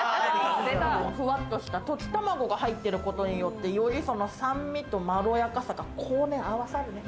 ふわっとしたとき卵が入ってることによって、より酸味とまろやかさが合わさるね。